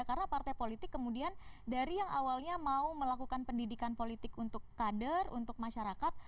karena partai politik kemudian dari yang awalnya mau melakukan pendidikan politik untuk kader untuk masyarakat